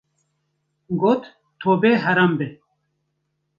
Got, Tobe heram be!